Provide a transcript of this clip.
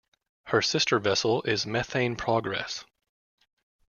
Her sister vessel is "Methane Progress".